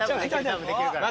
多分できるから。